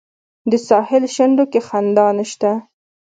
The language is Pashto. د ساحل شونډو کې خندا نشته